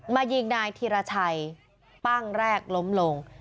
ยิงนายธีรชัยปั้งแรกล้มลง